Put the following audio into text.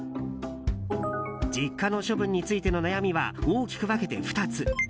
実家の処分についての悩みは大きく分けて２つ。